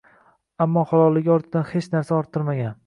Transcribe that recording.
Ammo halolligi ortidan hech narsa orttirmagan.